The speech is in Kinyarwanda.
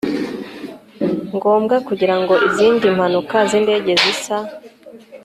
ngombwa kugira ngo izindi mpanuka z indege zisa